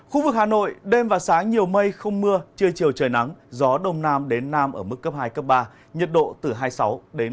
khu vực hà nội đêm và sáng nhiều mây không mưa trưa chiều trời nắng gió đông nam đến nam ở mức cấp hai ba nhiệt độ từ hai mươi sáu ba mươi bốn độ